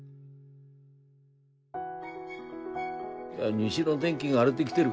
西の天気が荒れできてる。